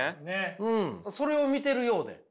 うんそれを見てるようで。